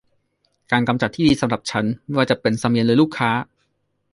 การกำจัดที่ดีสำหรับฉัน ไม่ว่าจะเป็นเสมียนหรือลูกค้า